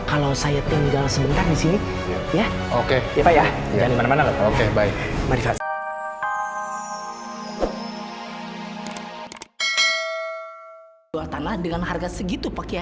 kalau saya tinggal sebentar disini